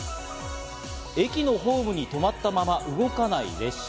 駅のホームに止まったまま動かない列車。